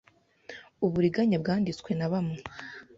Uburiganya bwanditswe na bamwe